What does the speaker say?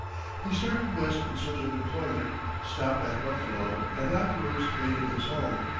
He started west in search of employment, stopped at Buffalo, and afterwards made it his home.